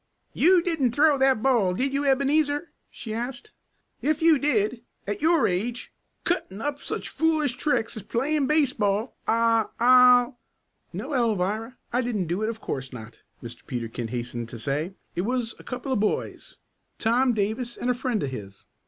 "You didn't throw that ball, did you, Ebenezer?" she asked. "If you did at your age cutting up such foolish tricks as playing baseball I I'll " "No, Alvirah, I didn't do it, of course not," Mr. Peterkin hastened to say. "It was a couple of boys. Tom Davis and a friend of his.